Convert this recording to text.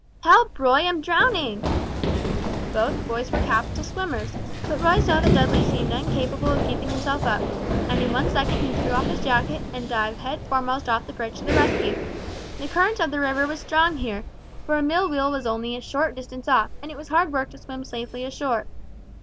"Help, Roy, I'm drowning!" Both boys were capital swimmers, but Roy saw that Dudley seemed incapable of keeping himself up, and in one second he threw off his jacket, and dived head foremost off the bridge to the rescue. The current of the river was strong here, for a mill wheel was only a short distance off; and it was hard work to swim safely ashore.